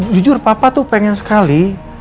jujur papa tuh pengen sekali